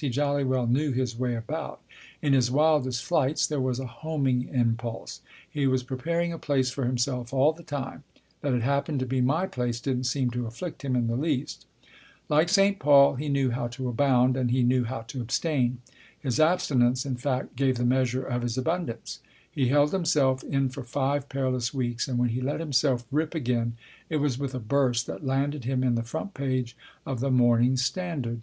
He jolly well knew his way about. In his wildest flights there was a homing impulse ; he was preparing a place for himself all the time (that it happened to be my place didn't seem to afflict him in the least). Like St. Paul, he knew how to abound and he knew how to abstain. His abstinence, in fact, gave the measure of his abundance. He held himself in for five perilous weeks ; and when he let him self rip again it was with a burst that landed him in the front page of the Morning Standard.